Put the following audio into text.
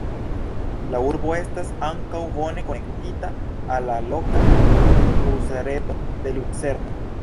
La urbo estas ankaŭ bone konektita al la loka busreto de Lucerno.